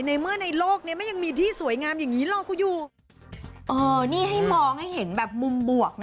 ในเมื่อในโลกเนี้ยมันยังมีที่สวยงามอย่างงี้รอกูอยู่เออนี่ให้มองให้เห็นแบบมุมบวกนะ